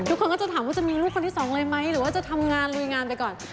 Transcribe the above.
ทุกคนก็จะถามว่าจะมีลูกคนที่สองเลยไหมหรือว่าจะทำงานลุยงานไปก่อน